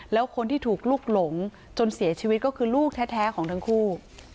แล้วคนที่ถูกลุกหลงจนเสียชีวิตก็คือลูกแท้ของทั้งคู่